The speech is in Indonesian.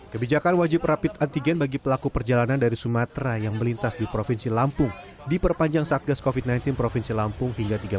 kebijakan wajib rapi antigen bagi pelaku perjalanan dari sumatera yang melintas di provinsi lampung di perpanjang saat gas covid sembilan belas provinsi lampung hingga tiga puluh satu mei mendatang